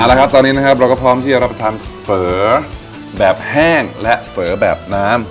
เอาละครับตอนนี้นะครับเราก็พร้อมที่จะรับประทานเฝอแบบแห้งและเฝอแบบน้ำ